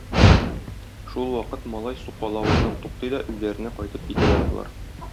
Шул вакыт малай сукалавыннан туктый да өйләренә кайтып китәләр болар.